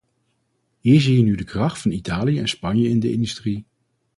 Hier zie je nu de kracht van Italië en Spanje in de industrie.